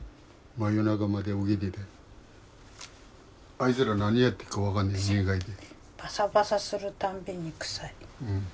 あいつら何やってるか分からない家帰って。